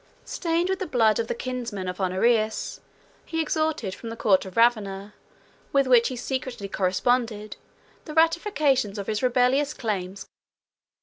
Stained with the blood of the kinsmen of Honorius, he extorted, from the court of Ravenna, with which he secretly corresponded, the ratification of his rebellious claims.